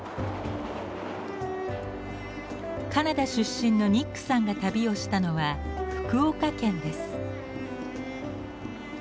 カナダ出身のニックさんが旅をしたのは福岡県です。